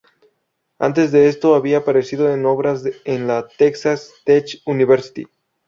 Antes de esto había aparecido en obras en la "Texas Tech University".